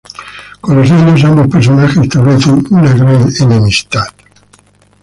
Con los años, ambos personajes establecen una gran enemistad.